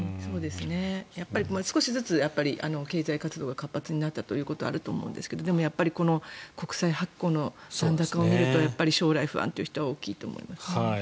少しずつ経済活動が活発になったということはあると思うんですがでも、国債発行の残高を見るとやっぱり将来不安という人は多いと思いますね。